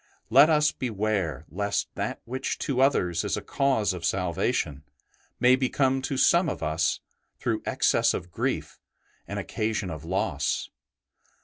Let us beware lest that which to others is a cause of salvation, may become to some of us, through excess of grief, an occasion of loss.